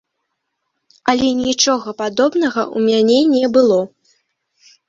Але нічога падобнага ў мяне не было.